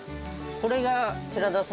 これが寺田さんの？